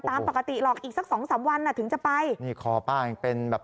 ตามปกติหรอกอีกสักสองสามวันอ่ะถึงจะไปนี่คอป้ายังเป็นแบบ